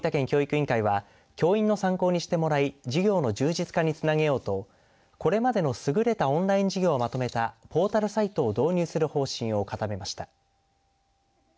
教育委員会は教員の参考にしてもらい授業の充実化につなげようとこれまでのすぐれたオンライン授業をまとめたポータルサイトを導入する方針を固めました。